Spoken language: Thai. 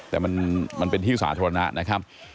แต่มันเป็นที่สาธารณะนะครับ